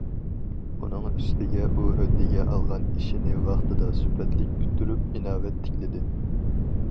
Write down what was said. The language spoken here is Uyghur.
ئۇنىڭ ئۈستىگە، ئۇ ھۆددىگە ئالغان ئىشىنى ۋاقتىدا، سۈپەتلىك پۈتتۈرۈپ ئىناۋەت تىكلىدى.